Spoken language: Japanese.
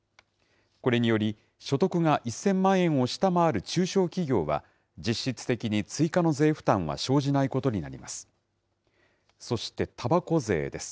これにより、所得が１０００万円を下回る中小企業は、実質的に追加の税負担は生じないことになります。